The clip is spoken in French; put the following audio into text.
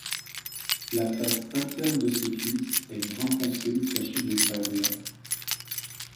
La face interne de ses cuisses est brun foncé taché de pâle.